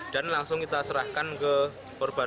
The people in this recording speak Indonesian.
dan langsung kita serahkan ke korban